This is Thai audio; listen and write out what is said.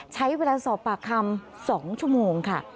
ใช้เวลาสอบปากคำ๒ชั่วโมงค่ะ